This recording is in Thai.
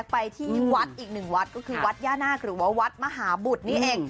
ไปที่วัดอีกหนึ่งวัดก็คือวัดย่านาคหรือว่าวัดมหาบุตรนี่เอง